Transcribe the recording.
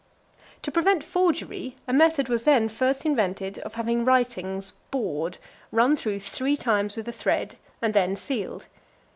XVII. To prevent forgery, a method was then first invented, of having writings bored, run through three times with a thread, and then sealed.